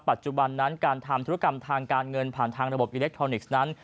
ปัจจุบันนั้นการทำธุรกรรมทางการเงินผ่านทางระบบอิเล็กทรอนิกส์นั้น